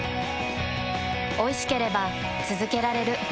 おいしければつづけられる。